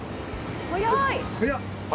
早い。